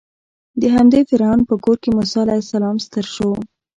د همدې فرعون په کور کې موسی علیه السلام ستر شو.